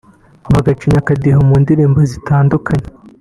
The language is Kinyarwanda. bagacinya akadiho mu ndirimbo zitandukanye